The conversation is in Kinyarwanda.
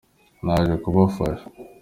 naje kubafasha.